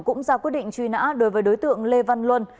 cũng ra quyết định truy nã đối với đối tượng lê văn luân